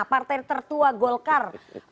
partai tertua golkar